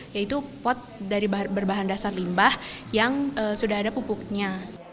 yaitu pot berbahan dasar limbah yang sudah ada pupuknya